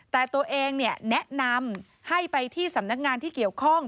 แต่ตัวเองแนะนำให้ไปที่สำนักงานที่เกี่ยวข้อง